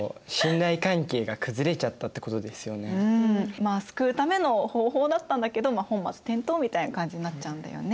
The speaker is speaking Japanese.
まあ救うための方法だったんだけど本末転倒みたいな感じになっちゃうんだよね。